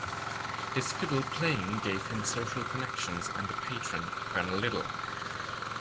His fiddle playing gave him social connections and a patron, Colonel Liddell.